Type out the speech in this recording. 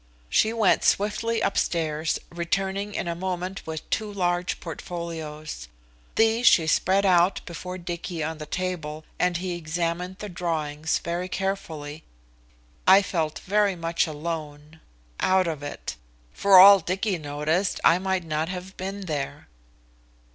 She went swiftly upstairs, returning in a moment with two large portfolios. These she spread out before Dicky on the table, and he examined the drawings very carefully. I felt very much alone; out of it. For all Dicky noticed, I might not have been there.